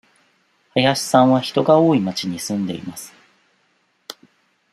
林さんは人が多い町に住んでいます。